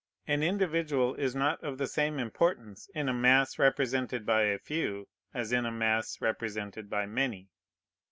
An individual is not of the same importance in a mass represented by a few as in a mass represented by many.